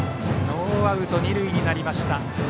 ノーアウト二塁になりました。